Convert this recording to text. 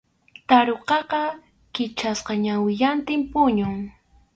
Tarukaqa kichasqa ñawillantin puñun.